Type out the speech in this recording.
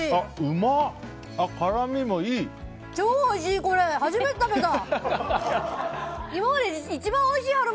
超おいしい！